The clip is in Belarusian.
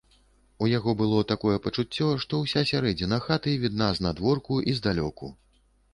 У яго было такое пачуццё, што і ўся сярэдзіна хаты відна знадворку і здалёку.